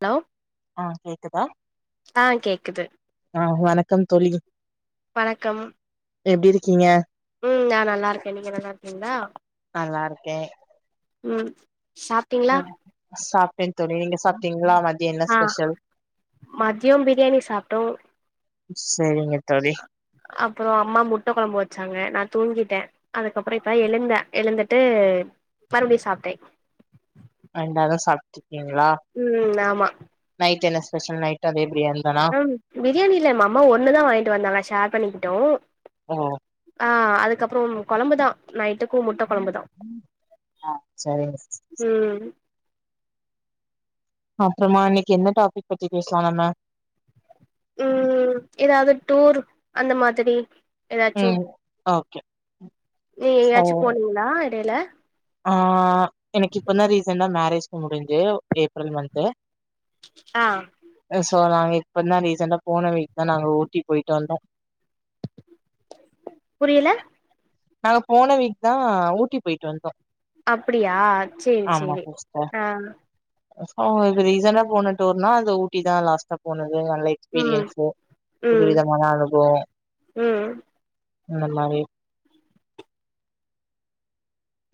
Hello ஆ கேக்குதா ஆ கேக்குது ஆ வணக்கம் தோழி வணக்கம் எப்டி இருக்கீங்க ம் நா நல்லா இருக்கே நீங்க நல்லா இருக்கீங்ளா நல்லா இருக்கே ம் சாப் ம் சாப்டே தோழி நீங்க சாப்டீங்ளா மதி ஆ மதியோ பிரியாணி சாப்ட்டோ செரிங்க தோழி அப்றோ அம்மா முட்ட கொழம்பு வச்சாங்க நா தூங்கிட்ட அதுக்கப்றகா எழுந்த எழுந்துட்டு மறுபடியு சாப்ட்டே ரெண்டாவது சாப்ட்டு இருக்கீங்ளா ம் ஆமா நைட் என்ன ஸ்பெஷல் நைட் அதே பிரியாணி தானா ஆம் பிரியாணி இல்ல அம்மா ஒண்ணுதா வாங்கிட்டு வந்தாங்க ஷேர் பண்ணிக்கிட்டோ ஓ ஆ அதுக்கப்றோ குழம்புதா நைட்டுக்கு முட்ட கொழம்புதா ஆ சரிங்க சிஸ். ம் அப்றமா இன்னைக்கு எந்த டாபிக் பத்தி பேஸ்லா நம்ம ம் ஏதாவது டூர் அந்த மாதிரி ம் ஓகே நீங் சோ எங்கயாச்சு போனீங்ளா இடையில ஆ எனக்கு இப்பதா ரீசண்ட்டா மேரேஜ் முடிஞ்சு ஏப்ரல் மந்த்து ஆ சோ நாங்க இப்பதான் ரீசெண்டா போன வீக் தான் நாங்க ஊட்டிக்கு போயிட்டு வந்தோம் புரியல நாங்க போன வீக் தான் ஊட்டி போயிட்டு வந்தோம் அப்டியா சேரி ஆமா சேரி புத்ச்தா ஆ ஓ இப்ப ரீசண்டா போன டூர்னா அது ஊட்டி தான் லாஸ்ட்டா போனது நல்ல ம் எக்ஸ்பீரியன்ஸூ ம் புவிதமான அனுபவம் ம் இந்த மாரி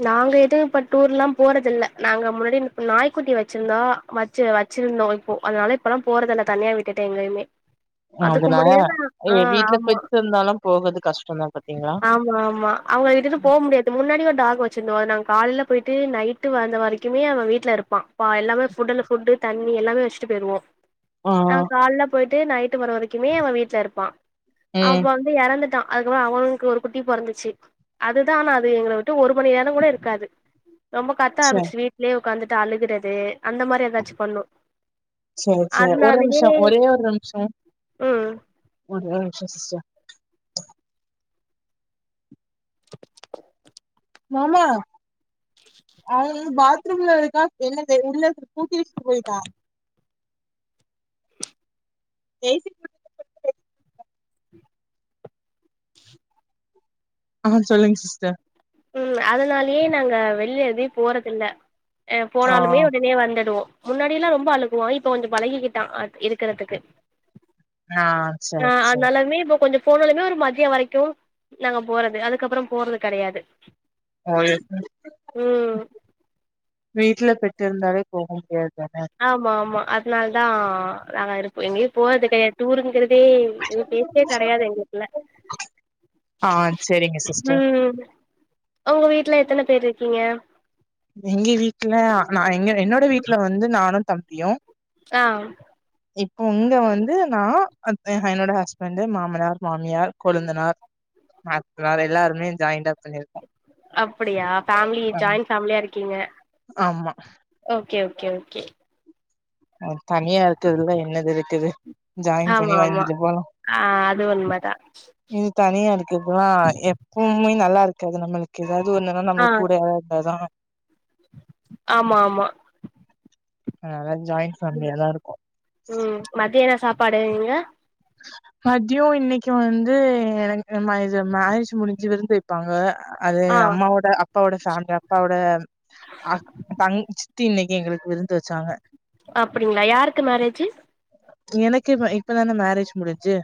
நாங்க எதுவும் இப்ப டூர் எல்லா போறதில்லை நாங்க முன்னாடி நாய்க்குட்டி வெச்சிருந்தோ வெச்சு வச்சிருந்தோம் இப்போ அதனால இப்பெல்லாம் போரதில்ல தனியா விட்டுட்டு எங்கயுமே அதுக்கு அதனால முன்னாடிலா ஆ நீங்க வீட்ல ஆமா பெட்ஸ் இருந்தாலும் போகறது கஷ்டம்தான் பாத்தீங்களா ஆமா ஆமா அவங்கிட்ட இருந்தும் போ முடியாது முன்னாடிய ஒரு டாக் வச்சிருந்தோம் அது நாங்க காலையில போயிட்டு நைட்டு வந்த வரைக்குமே அவன் வீட்ல இருப்பான் பா எல்லாமே ஃபுட்ல ஃபுட்டு தண்ணி எல்லாமே வெச்சுட்டு போயிறுவோம் ஆ நாங்க கால்ல போயிட்டு நைட்டு வர வரைக்குமே அவன் வீட்ல இருப்பான் அவ ம் பாட் இறந்துட்டான் அதுக்கப்பறம் அவனுக்கு ஒரு குட்டி பொறந்துச்சு அதுதான் ஆனா அது எங்கள விட்டு ஒரு மணி நேரம் கூட இருக்காது ரொம்ப கத்த சரி ஆரம்பிச்சு வீ்ட்லேயே உட்காந்துட்டு அழுகறது அந்த மாரி ஏதாச்சு பண்ணு செரி செரி ஒரு அதனாலயே நிமிஷம் ஒரே ஒரு நிமிஷம் ம் ஒரே ஒரு நிமிஷம் சிஸ்டர் மாமா அவங்க பாத்ரூம்ல இருக்கா என்ன தெரியல உள்ள பூட்டி வெச்சுட்டு போயிட்டான் ஏய்டி ஆ சொல்லுங்க சிஸ்டர் ம் அதனாலயே நாங்க வெளில எங்கே போறதில்லை ஆ போனாலுமே உடனே வந்துடுவோ முன்னாடி எல்லா ரொம்ப அலுக்குவா இப்ப கொஞ்ச பழகிக்கிட்டா இருக்கிறதுக்கு ஆ ஆ சரி சரி அதனாலமே இப்ப கொஞ்ச போனாலுமே ஒரு மதிய வரைக்கு நாங்க போறது அதுக்கப்புற போறது கிடையாது ம் வீட்ல பெட் இருந்தாலே போக முடியாது தானே ஆமா ஆமா அதனால் தா நாங்க இருப்போ எங்கயு போறது கிடையாது டூருங்கிறதே என் பேச்சே கெடையாது எங்க வுட்ல ஆ செரிங்க சிஸ்டர் ம் உங்க வீட்ல எத்தன பேர் இருக்கீங்க எங்க வீட்ல நா எங்க என்னோட வீட்ல வந்து நானு தம்பியு அ இப்ப இங்க வந்து நா அத் என்னோட ஹஸ்பண்ட்டு மாமனார் மாமியார் கொழுந்தனார் அ வேற எல்லாருமே ஜாயிண்டப் பண்ணிருக்கோ அப்டியா ஃபேமிலி ஆம் ஜாயிண்ட் ஃபேமிலியா இருக்கீங்க ஆமா ஓகே ஓகே ஓகே அ தனியா இருக்குதுல்ல என்னது இருக்குது ஜாயின் ஆமா பண்ணி ஆமா வாழ்ந்துட்டு போலா ஆ அது உண்மதா இனி தனியா இருக்கப்பல்லா எப்போமே நல்லா இருக்காது நம்மளு ஏதாது ஒண்ணுன்னா ஆ நம்மளுக் கூட யாராது இருந்தாதா ஆமா ஆமா அதனால ஜாயிண்ட் ம் ஃபேமிலியா தா இருக்கோ ம் மதியான சாப்பாடு எங்க மத்யோ இன்னிக்கு வந்து எனக்கு மைஜு மேரேஜ் முடிஞ்சு விருந்து வெப்பாங்க அது ஆ அம்மாவோட அப் பாவோட ஃபேமிலி அப்பாவோட ஆ தங் சித்தி இன்னிக்கு எங்களுக்கு விருந்து வெச்சாங்க அப்டிங்களா யாருக்கு மேரேஜு எனக்கே ம இப்பதானே மேரேஜ் முடிஞ்சி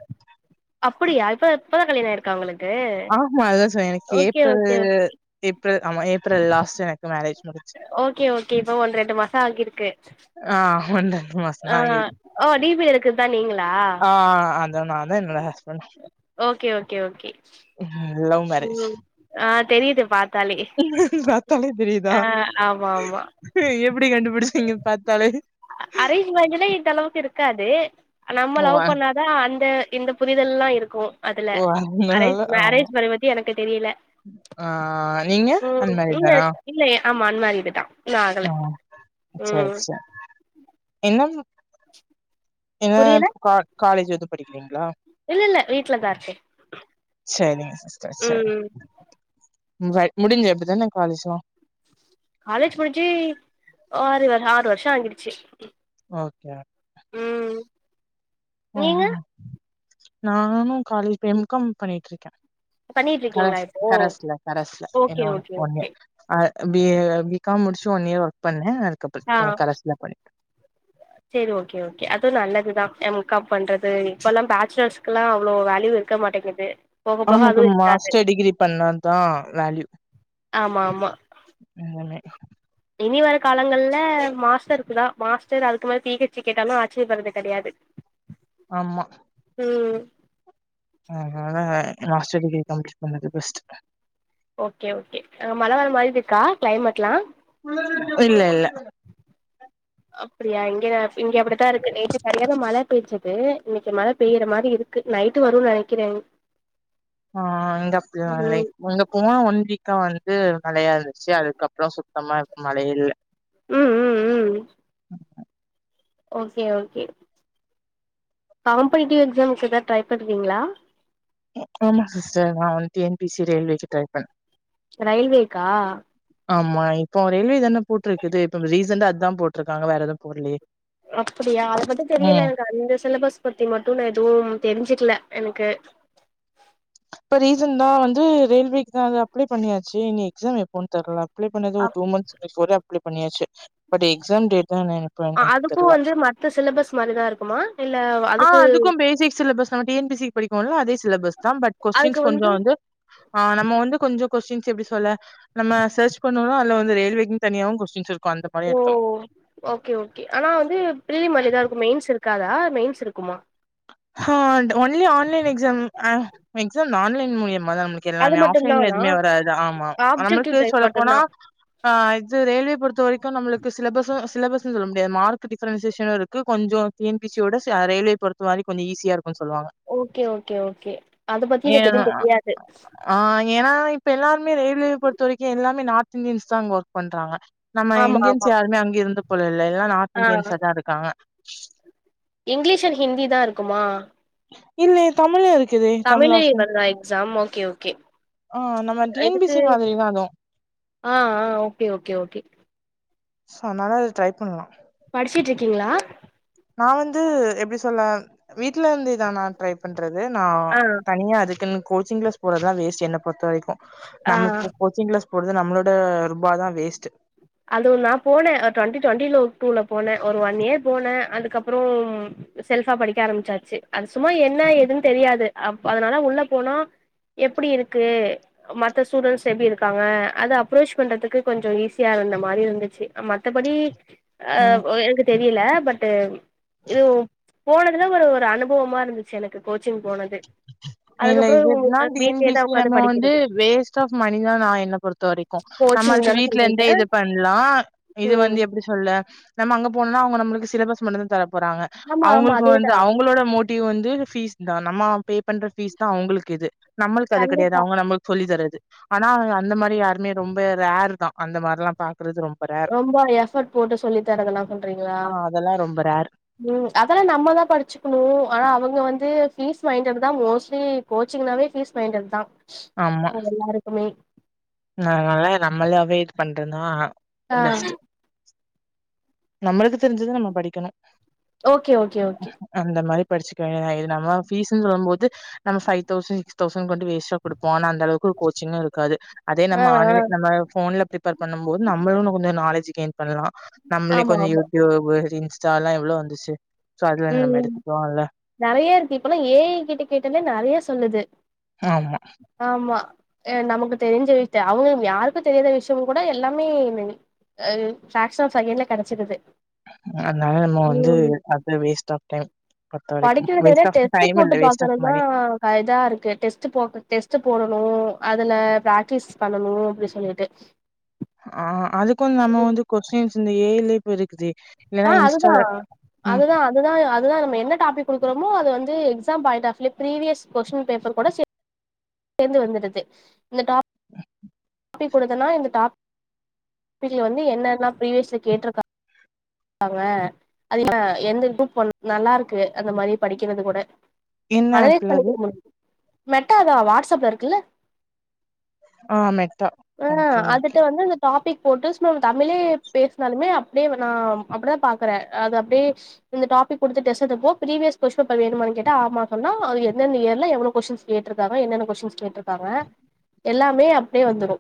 அப்படியா இப்ப இப்பதா கல்யாண ஆயிருக்கா உங்களுக்கு ஆமா அதுதா சொ எனக்கு okay April okay okay April ஆமா ஏப்ரல் லாஸ்ட் எனக் கு மேரேஜ் முடிச்சி ஓகே ஓகே இப்ப ஒன் ரெண்டு மாச ஆகிருக்கு ஆ ஒன் ரெண்டு ஆ மாசந்தா ஆகிருக்கு ஓ டி பி இருக்கறதுதா நீங்களா ஆ அதா நானு என்னோட husband okay okay okay love marriage ம். ஆ தெரியுது பாத் பாத்தாலே தெரியுதா ஆமா, ஆமா. ஏ எப் ப்புடி கண்டுபிடிச்சீங்க பாத்தாலே அரேஞ் மேரேஜ்னா இந்தளவுக்கு இருக்காது நம்ம ஓ லவ் பண்ணா தா அந்த இந்த புரிதல்லா இருக் கும் அதுல ஓ! அதனால அரேஞ் ஆமா மேரேஜ் அத பத்தி எனக்கு தெரியில ஆ நீங்க அன்மேரிட் தானா இல்லயே ஆமா அன்மேரிடு தா இன்னு ஆகல செரி ம். செரி இன்னும் என்ன புரியல? கா காலேஜ் வந்து படிக்கிறீங்களா இல்ல, இல்ல. வீட்ல தான் இருக்கேன். செரிங்க சிஸ்டர் செரி ம். பட் முடிஞ்ச இப்பதான காலேஜ்லா காலேஜ் முடிஞ்சி ஆறு வரு ஆறு வருஷ ஆகிடுச்சு ஓகே ம் ஓ நீங்க? நானு கால எம் காம் பண்ணிட்டுருக்க பண்ணிட்டு இருக்கீங்களா கரஸ் இப்போ? கரஸ்ல கரஸ்ல இன்ன ஓகே, ஒண்ணு ஓகே, ஒண்ணு ஓகே. ஆ பி ஏ பி காம் முடிச்சு ஒன் இயர் ஒர்க் பண்ணே அதுக்கப்ற இப்ப கரஸ்ல பண்ணிட் செரி ஓகே ஓகே அதுவு நல்லதுதா எம் காம் பண்றது இப்பெல்லா பேச்சுலர்ஸ்குல்லா அவ்ளோ வேல்யூ இரு க்க மாட்டேங்குது போக போக ஆமா இப்ப அதுவு இருக்காது மாஸ்டர் டிகிரி பண்ணா தா வேல்யூ ஆமா ஆமா இன்னுமே இனி வர காலங்கள்ல மாஸ்டருக்குதா மாஸ்டர் அதுக்கு மேல பி ஹெச்சு கேட்டாலு ஆச்சரியப்படுறது கெடையாது ஆமா ம் ஆ அதா மாஸ்டர் டிகிரி கம்ப்ளீட் பண்ணது பெஸ்ட் ஓகே ஓகே அங்க மழ வர மாதிரி இருக்கா க்ளைமேட்லா இல்ல இல்ல அப்டியா இங்க இங்க அப்டித்தா இருக்கு நேத்து சரியான மழ பெஞ்சது இன்னைக்கு மழ பெய்ற மாரி இருக்கு நைட் வருன்னு நெனைக்கிறே ஆ அந்தப்பிள்ளை ம் அங்க போன ஒன் வீக்கா வந்து மழயா இருந்துச்சு அதுக்கப்புறோ சுத்தமா மழ இல்ல ம் ம் ம் ம் ஓகே ஓகே காம்படிடிவ் எக்ஸ்சாம் க்கு எதாவ் ட்ரை பண்றீங்ளா ஆமா சிஸ்டர் நான் டி என் பி சி ரயில்வேக்கு ட்ரை பண்றே ரயில்வேக்கா ஆம்மா இப்போ ரயில்வே தானே போட்டிருக்குது இப்ப ரீசெண்டா அதுதா போட்ருக்காங்க வேற எதுவும் போடலயே அப்டியா அத பத்தி தெரியல எனக்கு அந்த சிலபஸ் பத்தி மட்டு நா எதுவும் தெரிஞ்சுக்கல எனக்கு இப்ப ரீசன்டா வந்து ரெயில்வேக்கு தான் அது அப்ளை பண்ணியாச்சு இனி எக்ஸாம் எப்போன் தெர்ல அப்ளே பண்ணது ஒரு up two months before apply பண்ணியாச்சு பட் எக்ஸாம் டேட் தா எப்பன்னே அதுக்கு தெர்ல வந்து மத்த சிலபஸ் மாரிதா இருக்குமா இல்ல ஆ அதுக்கு பேசிக் சிலபஸ் தா T N P S C படிப்போம்ல அதே சிலபஸ் தா பட் கொஸ்டின்ஸ் கொஞ்ச வந்து ஆ நம்ம வந்து கொஞ்ச கொஸ்டின்ஸ் எப்டி சொல்ல நம்ம சர்ச் பண்ணோணா அதுல்ல வந்து ரயில்வேக்குனு தனியாவு கொஸ்டின்ஸ் இருக்கும் அந்த மாரி ஓ எடுக்கலா ஓகே ஓகே ஆனா வந்து பிரிலிமரிதா இருக்கும் மெயின்ஸ் இருக்காதா மெயின்ஸ் இருக்குமா ஆ only online exam exam online மூலியமா தான் அது எல்லாமே ஆஃப்லைன்ல மட்டுந்தானா எதுவுமே வராது ஆமா ஆப்ஜெக்டிவ் நம்மளுக்கு டைப் சொல்லப்போனா மட்டுந்தா ஆ இது ரயில்வே பொறுத்த வரைக்கு நம்மளுக்கு சிலபஸ் சிலபஸ்ன்னு சொல்ல முடியாது மார்க் டிஃரன்சியேஷனும் இருக்கு கொஞ்ச T N P S C யோட ரயில்வே பொருத்த வர கொஞ்சம் ஈசியா இருக்குன்னு சொல்லுவாங்க ஓகே ஓகே ஓகே அத பத்தி எனக்கு ஏன்னா எதுவும் தெரியாது ஆ ஏனா இப்ப எல்லாருமே ரயில்வே பொறுத்த வரைக்கும் எல்லாமே நார்த் இந்தியன்ஸ் தான் அங்க ஒர்க் பண்றாங்க நம்ம ஆமா ஆமா இந்தியன்ஸ் யாருமே அங்க இருந்து போல்ல எல்லா நார்த் ஆ இந்தியன்ஸ் தா இருக்காங்க இங்கிலீஷ் அண்ட் ஹிந்தி தா இருக்குமா இல்லயே தமிழு இருக்குதே தமிழ் ஆப்ஷன் தா எக்ஸாம் ஓகே ஓகே ஓகே ஆ நம்ம T N P S C மாதிரிதா அதுவும் ஆ ஆ ஓகே ஓகே ஓகே சோ அதனால அது ட்ரை பண்ணலாம் படிச்சுட்டு இருக்கீங்களா நா வந்து எப்டி சொல்ல வீட்ல இருந்துதா நா ட்ரை பண்றது நா ஆ தனியா அதுக்குன்னு கோச்சிங் கிளாஸ் போறதா வேஸ்ட் என்ன பொருத்த வரைக்கும் ஆ நம்ம கோச்சிங் கிளாஸ் போறது நம்மளோட ரூபா தான் வேஸ்ட் அது நா போனே ட்வெண்ட்டி டுவெண்ட்டி டூல போனே ஒரு ஒன் இயர் போனேன் அதுக்கப்புற செல்ஃபா படிக்க ஆரம்பிச்சாச்சு அது சும்மா என்ன ஏதுன்னு தெரியாது அதனால உள்ள போனோ எப்டி இருக்கு மத்த ஸ்டூடண்ட்ஸ் எப்டி இருக்காங்க அத அப்ரோச் பண்றதுக்கு கொஞ்ச ஈசி யா இருந்த மாரி இருந்துச்சு மத்தபடி அ ம். எனக்கு தெரியல பட்டு இது போனதுல ஒரு ஒரு அனுபவமா இருந்துச்சு எனக்கு கோச்சிங் போனது இல்ல அதுக்கப்புறோ இதுன்னா டி என் வீட்லயே பி எஸ் தா சி உக்காந்து நம்ம வந்து படிக்கிறது வேஸ்ட் ஆப் மணிதா நா என்ன பொறுத்த வரைக்கு கோச்சிங்தானே சொல்றீங் டே இது பண்லா இது வந்து எப்டி சொல்ல நம்ம அங் போனா அவுங்க நம்ளுக்கு சிலபஸ் மட்டுதா தர போறாங்க ஆமா ஆமா அவுங்களுக்கு வந்து அதேதா அவங்களோட மோட் டிவ் வந்து ஃபீஸ் தா நம்ம பே பண்ற ஃபீஸ் தா அவுங்களுக்கு இது நம்மளுக்கு அது கெடையாது கண்டிப்பா அவங்க நம்மளுக் சொல்லி தரது ஆனா அந்த மாரி யாருமே ரொம்ப ரேர்தா அந்த மாரில்லா பாக்குறது ரொம் ரொம்ப எஃபர்ட் போட்டு சொல்லி தரலலான்றீங்களா ஆ அதெல்லா ரொம்ப ரேர் ம் அதெல்லா நம்ம தா படிச்சுக்கணு ஆனா அவுங்க வந்து ஃபீஸ் மைண்டட் தா மோஸ்ட்லி கோச்சிங்னாவே ஃபீஸ் மைண்டட் தா ஆமா அவுங்க எல்லாருக்குமே அதனால நம்மளாவே இது பன்றேனா ஆ பெஸ்டு நம்மளுக்கு தெரிஞ்சது நம்ம படிக்கணு ஓகே ஓகே ஓகே அந்த மாரி படிச்சுக்க வேண்டி தா இது நம்ம ஃபீஸ்னு சொல்லும்போது நம்ம ஃபைவ் தௌஷன் சிக்ஸ்தௌ கொண்டு வேஸ்டா குடுப்போ ஆனா அந்தளவுக்கு கோச்சிங்கு இருக்காது அதே ஆ நம்ம ஆ ஆன்லைன் நம்ம போன்ல பிரிப்பேர் பண்ணும்போது நம்மளு இன்னு கொஞ்ச நாலேஜ் கெய்ன் பண்ணலா நம்மளே ஆமா கொஞ்ச ஆமா யூடியூப் இன்ஸ்டால்லா எவ்ளோ வந்துச்சு சோ அதுலங்குற மாரி எடுத்து [unintelligible] நெறையா இருக்கு இப்பெல்லா ஏ ஐ கிட்ட கேட்டாலே நெறையா சொல்லுது ஆமா ஆமா நமக்கு தெரிஞ்சுக்கிட்டு அவுங்க யாருக்கு தெரியாத விஷயம் கூட எல்லாமே [unintelligible] அ ஃப்ராக்ஷனூ ஆஃப் செகைன்டல கெடைச்சிருது அதனால நம்ம வந்து அது வேஸ்ட் ஆஃப் டைம் பொறுத்த வரைக்கு படிக்கிறத விட வேஸ்ட் ஆஃப் டெஸ்டு டைம் இல்ல போட்டு வேஸ்ட் ஆஃப் பாக்குறதுதா மணி ஆ இதா இருக்கு டெஸ்ட் போ டெஸ்ட் போடணு அதுல ப்ராக்டிஸ் பண்ணணு அப்டி சொல்லிட்டு ஆ அதுக்கு வந்து நம்ம வந்து கொஸ்டின்ஸ் இந்த ஏ ஐ லே இப்போ இருக்குது ஆ அதுதா அதுதா அதுதா அதுதா நம்ம என்ன டாபிக் குடுக்குறோமோ அது வந்து எக்ஸாம் பாயிண்ட் ஆஃப்லே ப்ரீவியஸ் கொஸ்டின் பேப்பர் கூட சென் சேந்து வந்துடுது இந்த டாப் பிக் குடுத்தேனா இந்த டாப் பிக்ல வந்து என்னன்ன ப்ரீவியஸ்ல கேட்ருக்கா ங்க அதுல எந்த குரூப் ப [inaudible] நல்லா இருக்கு அந்த மாரி படிக்கறது கூட என்ன அனலைஸ் ஆப்ல அது பண்ணிக்க முடியு மெட்டாதா வாட்ஸ்அப்ல இருக்குல்ல ஆ மெட்டா ஆ ஓகே ஓகே அதுட்ட வந்து டாபிக் போட்டு சும்மா நம்ம தமிழே பேசுனாலுமே அப்டியே நா அப்டிதா பாக்குறே அது அப்டியே இந்த டாபிக் குடுத்துட்டு டெஸ்ட் எடுப்போ ப்ரீவியஸ் கொஸ்ன் பேப்பர் வேணுமானு கேட்டா ஆமா சொல்லனு அது என்னன்ன இயர்ல எவ்ளோ கொஸ்டின்ஸ் கேட்டிருக்காங்க என்னென்ன கொஸ்டின்ஸ் கேட்ருக்காங்க எல்லாமே அப்டியே வந்துரு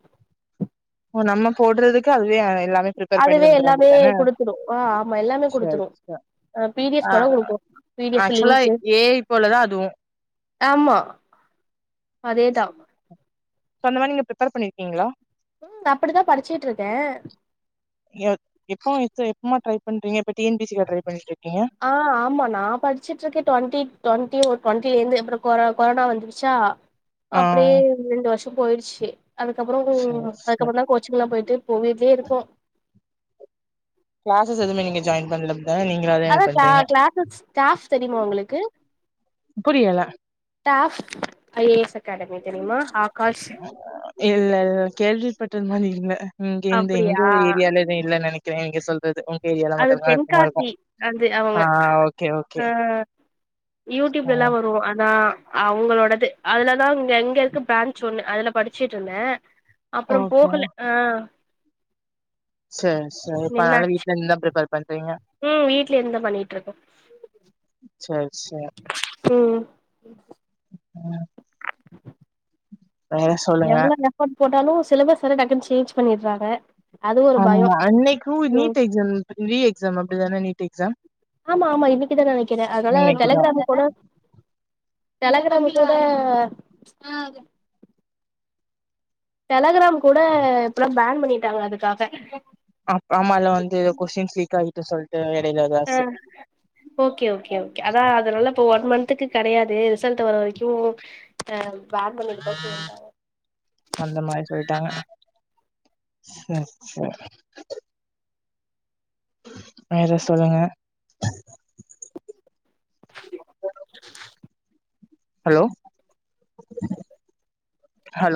ஓ நம்ம போடுறதுக்கு அதுவே எல்லாமே ப்ரிப்பேர் பண்ணி அதுவே தந்துரு எல்லாமே அப்டித்தான குடுத்துடு ஆ ஆமா எல்லாமே சேரி குடுத்துடு சேரி ஆ பி டி எஃப் கூட குடுக்கு பி டி எஃப் ஆக்சுவலா லிங்க்கு ஏ ஐ போலதா அதுவு ஆமா அதேதா சோ அந்த மாரி நீங்க ப்ரிப்பேர் பண்ணிருக்கீங்களா அப்டித்தா படிச்சுட்ருக்கே எப்ப எப்பமா ட்ரை பண்றீங்க இப்ப டி என் பி சி கா ட்ரை பண்ணிட்ருக்கீங்க ஆ ஆமா நா படிச்சுட்ருக்கே டுவொண்டி டுவொண்டி ஒ டுவொண்டிலந்து அப்றோ கொ கொரோனா வந்துருச்சா ஆ அப்டியே ரெண்டு வருஷோ போயிடுச்சு அதுக்கப்றோ சேரி சேரி அதுக்கப்றந்தா கொ ச்சிங்ளா போயிட்டு இப்போ வீட்லே இருக்கோ கிளாஸஸ் எதுமே நீங்க ஜாயின் பண்ல அதா க கிளாஸஸ் ஸ்டாப் தெரியுமா உங்களுக்கு புரியல டாஃப் ஐஏஎஸ் அகாடமி தேரியுமா ஆகாஷ் இல்ல இ கேவி பட்டல் மாரி இல்ல இங்க எ எங்க அப்டியா ஒரு ஏரியால இல்ல நினைக்கிறேன்ங்க எங்க சொல்றது உ ஏரியால அது மட்டுமல்லான் இருக்குமா தென்காசி இருக்கும் அது அவங்க ஆஹ் ஓகே ஓகே யூடியூப்ல ஆ எல்லாம் வரும் அதான் அவங்களோடது அதுலதான் இங்க எங்க இருக்க பிரான்ச் ஒண்ணு அதுல படிச்சுட்டு இருந்த அப்ரோ ஓகே போகல ஆ செரி செரி இப்ப அதனால வீட்ல இருந்து தான் பிரிப்பேர் பண்றீங்க உம் வீடல இருந்த பண்ணிட்டு இருக்கோம் செர் செர் உம் உம் சொல்லுங்க எவ்வளோ எபர்ட் போாலும் சிலபஸ் டக்குன்னு சேஞ்ச் பண்ணிடுறாங்க அது ஒரு பயோ ஆமா அன்னைக்கு ம் நீட் எக்ஸாம் ரீ எக்ஸாம் அப்படிதானே நீட் எக்ஸாம் ஆமா ஆமா இன்னைக்கு தான் நினைக்கிறேன் அதனால இன்னைக்குதா தெலங்கிராம கூட டெலகிராமவிட டெலகிராம் கூட இப்பல்லாம் பேன் பண்ணிட்டாங்க அதுக்காக அப் அமால்லாம் வந்து ஏதோ கொஷ்டின்ஸ் ஆயிட்ட சொல்ட்டு எடையில ஆ ஏதாச்சு ஓகே ஓகே ஓகே அதான் அததுலல்ல இப்ப ஒன் மந்த்துக்கு கிடையாது ரிசல்ட் வர வரைக்கும் ஆ பேன் பண்ண அந்த மாரி சொல்லிட்டாங்க செர் செர் வேற சொல்லுங்க ஹாலோ ஹாலோ